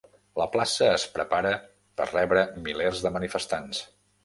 La plaça es prepara per rebre milers de manifestants